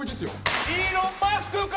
イーロン・マスクか！！